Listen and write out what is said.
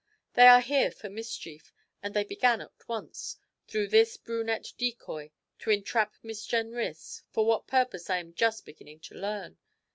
They are here for mischief, and they began at once, through this brunette decoy, to entrap Miss Jenrys, for what purpose I am just beginning to learn.